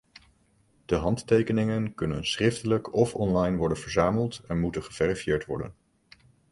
De handtekeningen kunnen schriftelijk of online worden verzameld, en moeten geverifieerd worden.